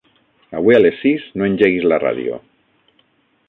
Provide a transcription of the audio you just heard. Avui a les sis no engeguis la ràdio.